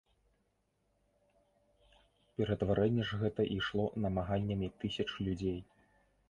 Ператварэнне ж гэта ішло намаганнямі тысяч людзей.